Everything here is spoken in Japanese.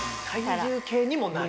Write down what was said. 体重計にもなる。